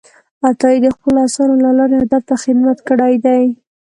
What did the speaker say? عطايي د خپلو آثارو له لارې ادب ته خدمت کړی دی.